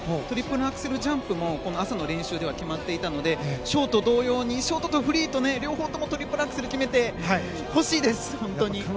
トリプルアクセルジャンプも朝の練習では決まっていたのでショート同様にショートとフリート両方ともトリプルアクセルを決めてほしいです、本当に。